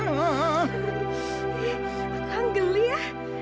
akang geli ya